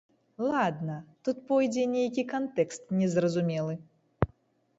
Ладна, тут пойдзе нейкі кантэкст незразумелы.